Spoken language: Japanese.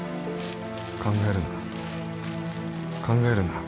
考えるな考えるな